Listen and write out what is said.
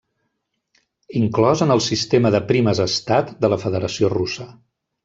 Inclòs en el sistema de primes estat de la Federació Russa.